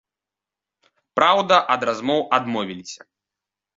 Праўда, ад размоў адмовіліся.